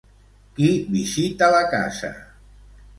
Qui visita la casa?